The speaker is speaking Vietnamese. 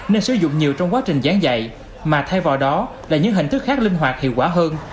nên sử dụng nhiều trong quá trình giảng dạy mà thay vào đó là những hình thức khác linh hoạt hiệu quả hơn